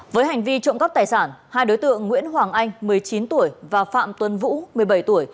với hành vi trộm cắp tài sản hai đối tượng nguyễn hoàng anh và phạm tuấn vũ